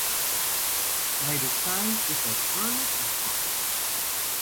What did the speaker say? My design is as honest as possible.